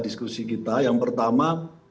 diskusi kita yang pertama